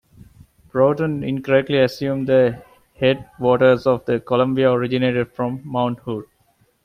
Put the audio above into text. Broughton incorrectly assumed the head waters of the Columbia originated from Mount Hood.